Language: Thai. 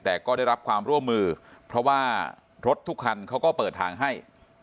แต่ก็ได้รับความร่วมมือเพราะว่ารถทุกคันเขาก็เปิดทางให้